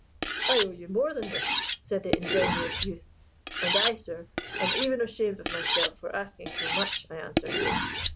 'I owe you more than this,' said the ingenuous youth. 'And I, sir, am even ashamed of myself for asking so much,' I answered.